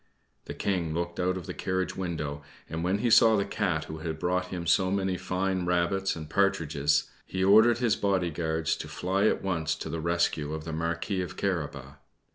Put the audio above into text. The King looked out of the carriage window, and when he saw the Cat who had brought him so many fine rabbits and partridges, he ordered his bodyguards to fly at once to the rescue of the Marquis of Carabas.